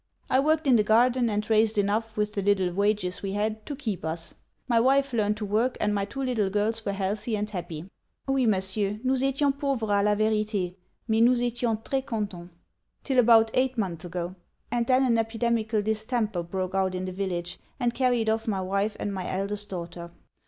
I worked in the garden, and raised enough, with the little wages we had, to keep us. My wife learned to work, and my two little girls were healthy and happy. 'Oui Messieurs, nous etions pauvre a la verité! mais nous etions tres contents! 'till about eight months ago; and then an epidemical distemper broke out in the village, and carried off my wife and my eldest daughter.